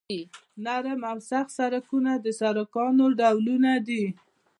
نرم او سخت سرکونه د سرکونو ډولونه دي